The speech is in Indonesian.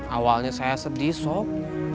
awalnya saya sedih sob